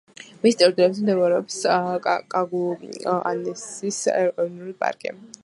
მის ტერიტორიაზე მდებარეობს კაგუანესის ეროვნული პარკი.